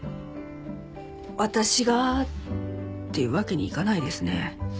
私がっていうわけにいかないですね。